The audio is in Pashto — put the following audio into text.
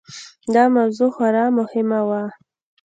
دا موضوع خورا مهمه وه.